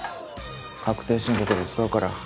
確定申告で使うから。